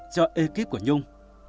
cho ekip của nhung